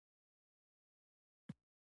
هغه منظره ډېر ښه خوند کاوه، زړه راښکونکې وه.